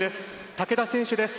竹田選手です。